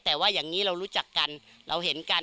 แต่ว่าอย่างนี้เรารู้จักกันเราเห็นกัน